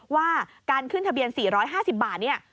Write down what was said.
ว่าการขึ้นทะเบียน๔๕๐บาทเนี่ย